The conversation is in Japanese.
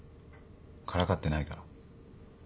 からかってないから。